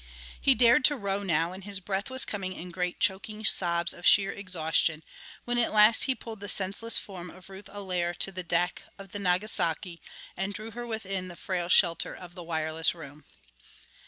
He dared to row now, and his breath was coming in great choking sobs of sheer exhaustion when at last he pulled the senseless form of Ruth Allaire to the deck of the Nagasaki and drew her within the frail shelter of the wireless room.